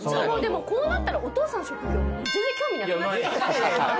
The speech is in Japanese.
こうなったらお父さんの職業は全然興味なくなりました。